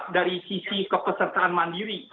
di sisi kepesertaan mandiri